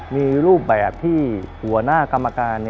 มีรูปแบบที่หัวหน้ากรรมการ